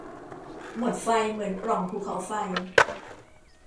หมดไฟเหมือนปล่องภูเขาไฟ